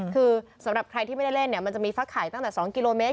คือสำหรับใครที่ไม่ได้เล่นมันจะมีฟักไข่ตั้งแต่๒กิโลเมตร